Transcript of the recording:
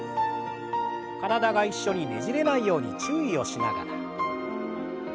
体が一緒にねじれないように注意をしながら。